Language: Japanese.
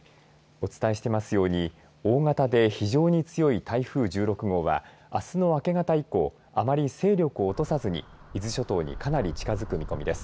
お伝えしていますように大型で非常に強い台風１６号はあすの明け方以降あまり勢力を落とさずに伊豆諸島にかなり近づく見込みです。